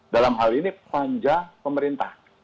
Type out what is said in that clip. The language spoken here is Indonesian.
dalam hal ini panja pemerintah